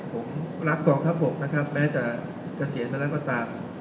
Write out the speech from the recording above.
ผมรักของของบกนะครับแม้จะกระเศียร์แบบนั้นก็ตาม